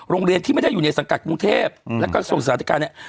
โรงเรียนที่ไม่ได้อยู่ในสังกัดกรุงเทพแล้วก็ส่งสาธิการเนี่ย